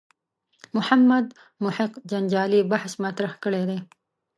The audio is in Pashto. محمد محق جنجالي بحث مطرح کړی دی.